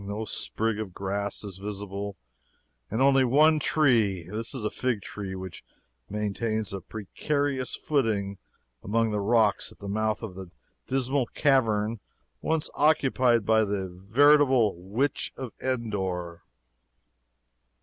No sprig of grass is visible, and only one tree. This is a fig tree, which maintains a precarious footing among the rocks at the mouth of the dismal cavern once occupied by the veritable Witch of Endor.